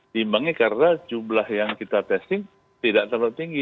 dimbangi karena jumlah yang kita testing tidak terlalu tinggi